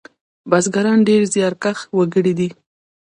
بزگران ډېر زیارکښ وگړي دي.